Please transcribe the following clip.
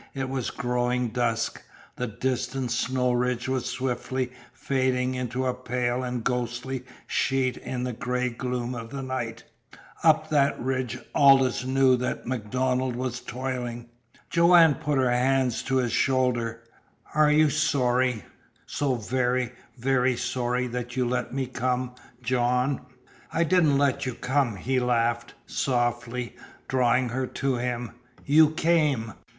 It was growing dusk. The distant snow ridge was swiftly fading into a pale and ghostly sheet in the gray gloom of the night. Up that ridge Aldous knew that MacDonald was toiling. Joanne put her hands to his shoulders. "Are you sorry so very, very sorry that you let me come, John?" "I didn't let you come," he laughed softly, drawing her to him. "You came!"